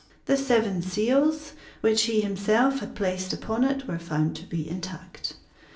The seven seals which he himself had placed upon it were found to be intact.